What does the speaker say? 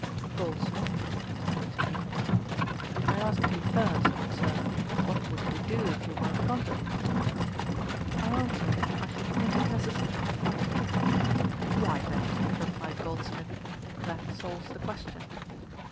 GOLDSMITH, (turning to me.) 'I ask you first, Sir, what would you do if you were affronted?' I answered I should think it necessary to fight. 'Why then, (replied Goldsmith,) that solves the question.'